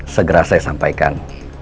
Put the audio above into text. segera saya sampaikan